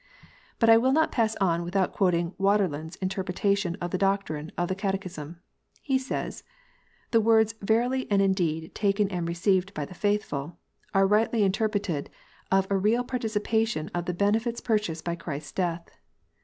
But I will not pass on without quoting Water land s interpret ation of the doctrine of the Catechism. He says, " The words verily and indeed taken and received by the faithful, are rightly interpreted of a real participation of the benefits purchased by Christ s death.